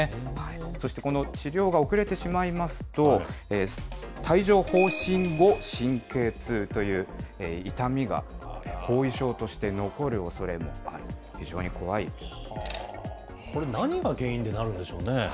そして治療が遅れてしまいますと、帯状ほう疹後神経痛という痛みが後遺症として残るおそれもある、これ、何が原因でなるんでしょうね。